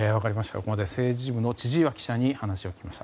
ここまで政治部の千々岩記者に話を聞きました。